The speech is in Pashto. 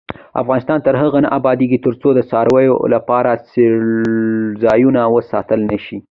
افغانستان تر هغو نه ابادیږي، ترڅو د څارویو لپاره څړځایونه وساتل نشي.